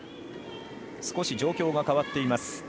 少し状況が変わっています。